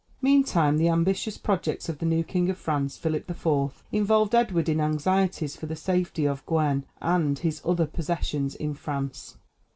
Meantime the ambitious projects of the new King of France, Philip IV., involved Edward in anxieties for the safety of Guienne and his other possessions in France.